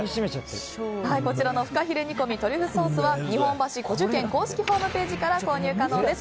こちらのふかひれ煮込みトリュフソースは日本橋古樹軒公式ホームページから注文可能です。